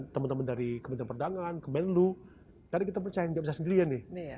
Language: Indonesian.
teman teman dari kementerian perdagangan kemenlu tadi kita percaya nggak bisa sendirian nih